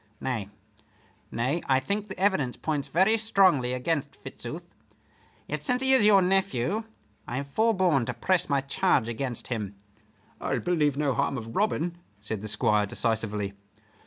Nay, nay, I think the evidence points very strongly against Fitzooth; yet since he is your nephew I have forborne to press my charge against him." "I'll believe no harm of Robin," said the Squire, decisively.